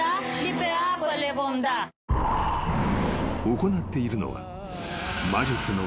［行っているのは］